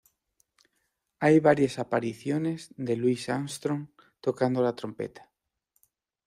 Hay varias apariciones de Louis Armstrong tocando la trompeta.